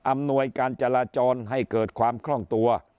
หน่วยการจราจรให้เกิดความคล่องตัว